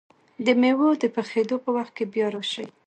د مېوو د پخېدو په وخت کې بیا راشئ!